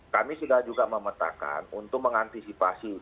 kami sudah juga memetakan untuk mengantisipasi